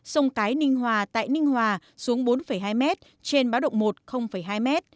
sông cái ninh hòa tại ninh hòa xuống bốn hai m trên báo động một hai m